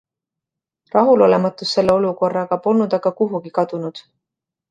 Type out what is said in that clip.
Rahulolematus selle olukorraga polnud aga kuhugi kadunud.